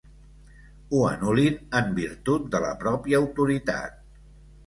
Ho anul·lin en virtut de la pròpia autoritat.